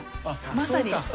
まさに。